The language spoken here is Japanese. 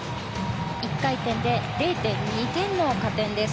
１回転で０．２点の加点です。